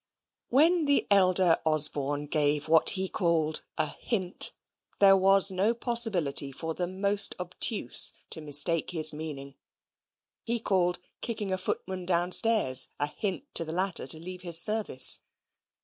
When the elder Osborne gave what he called "a hint," there was no possibility for the most obtuse to mistake his meaning. He called kicking a footman downstairs a hint to the latter to leave his service.